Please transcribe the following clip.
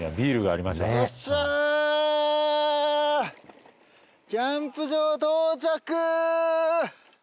よっしゃーキャンプ場到着！